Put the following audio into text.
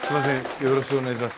よろしくお願いします。